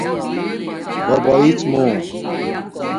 ببیڎمُو